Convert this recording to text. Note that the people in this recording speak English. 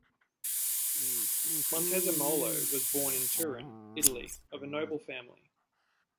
Montezemolo was born in Turin, Italy of a noble family.